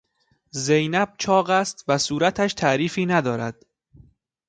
زینب چاق است و صورتش تعریفی ندارد.